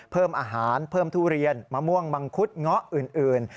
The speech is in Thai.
เพิ่มอาหารเพิ่มทุเรียนมะม่วงมังคุดเงาะอื่น